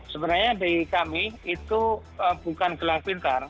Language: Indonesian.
sebenarnya di kami itu bukan gelang pintar